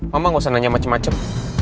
mama gak usah nanya macem macem